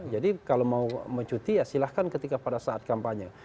kalau mau mencuti ya silahkan ketika pada saat kampanye